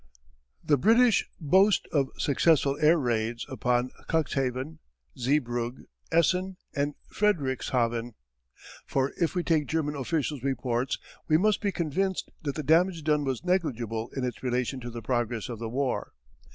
The British boast of successful air raids upon Cuxhaven, Zeebrugge, Essen, and Friedrichshaven. But if we take German official reports we must be convinced that the damage done was negligible in its relation to the progress of the war.